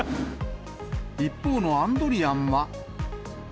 一方のアンドリアンは。